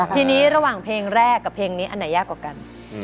ทีนี้ระหว่างเพลงแรกกับเพลงนี้อันไหนยากกว่ากัน